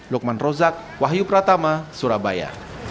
lukman rozak wahyu pratama surabaya